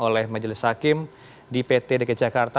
oleh majelis hakim di pt dki jakarta